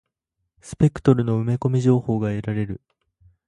スペクトルの埋め込み情報が得られる。